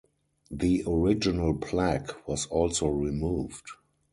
The original plaque was also removed.